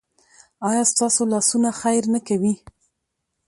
ایا ستاسو لاسونه خیر نه کوي؟